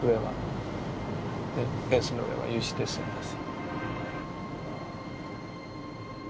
フェンスの上は有刺鉄線です。